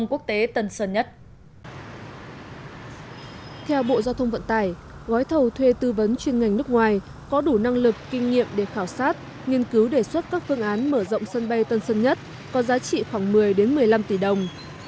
gói thầu thuê tư vấn chuyên ngành nước ngoài có đủ năng lực kinh nghiệm để khảo sát nghiên cứu đề xuất các phương án mở rộng sân bay tân sân nhất có giá trị khoảng một mươi một mươi năm tỷ đồng